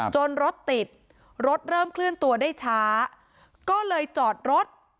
รถติดรถเริ่มเคลื่อนตัวได้ช้าก็เลยจอดรถ